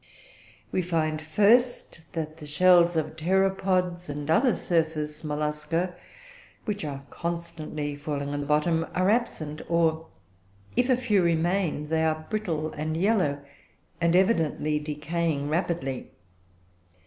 We find, first, that the shells of pteropods and other surface Mollusca which are constantly falling on the bottom, are absent, or, if a few remain, they are brittle and yellow, and evidently decaying rapidly.